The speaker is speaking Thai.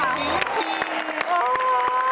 ชีลชีล